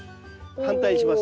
反対にします。